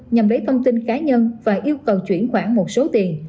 nhằm lấy thông tin cá nhân và yêu cầu chuyển khoản một số tiền